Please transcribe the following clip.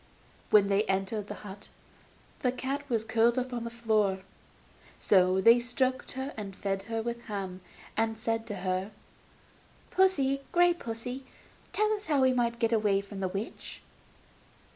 When they entered the hut the cat was curled up on the floor. So they stroked her, and fed her with ham, and said to her: 'Pussy, grey pussy, tell us how we are to get away from the witch?